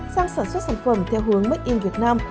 sang sản xuất sản phẩm theo hướng make in việt nam